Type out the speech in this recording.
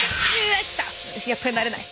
やっぱり慣れない。